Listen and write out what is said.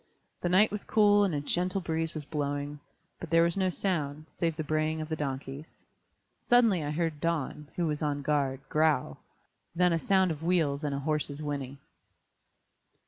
The night was cool and a gentle breeze was blowing, but there was no sound, save the braying of the donks. Suddenly I heard Don, who was on guard, growl, then a sound of wheels and a horse's whinny.